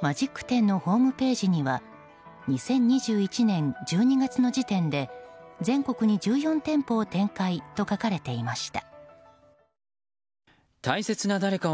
マジック店のホームページには２０２１年１２月の時点で全国に１４店舗を展開と書かれていました。